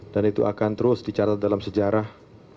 dan itu akan terus dicatat dalam sejarah